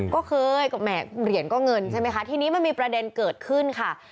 ก็เคยเหรียญก็เงินใช่ไหมคะทีนี้มันมีประเด็นเกิดขึ้นค่ะ